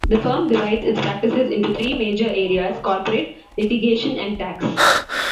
The firm divides its practices into three major areas: Corporate, Litigation and Tax.